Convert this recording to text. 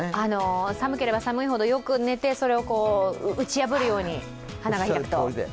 寒ければ寒いほど、よく寝て、打ち破るように花が開くと。